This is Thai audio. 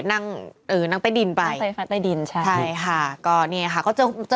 นั่งเออนั่งใต้ดินไปไฟฟ้าใต้ดินใช่ค่ะก็นี่ค่ะก็เจอเจอ